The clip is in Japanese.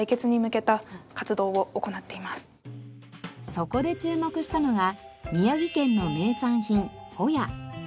そこで注目したのが宮城県の名産品ホヤ。